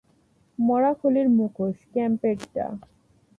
মরা খুলির মুখোশ, ক্যাম্পের টা।